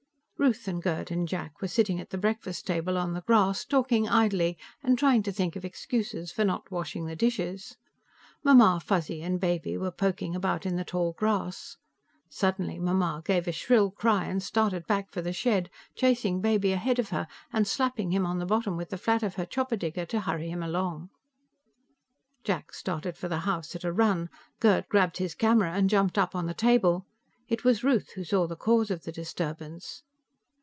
Ruth and Gerd and Jack were sitting at the breakfast table on the grass, talking idly and trying to think of excuses for not washing the dishes. Mamma Fuzzy and Baby were poking about in the tall grass. Suddenly Mamma gave a shrill cry and started back for the shed, chasing Baby ahead of her and slapping him on the bottom with the flat of her chopper digger to hurry him along. Jack started for the house at a run. Gerd grabbed his camera and jumped up on the table. It was Ruth who saw the cause of the disturbance.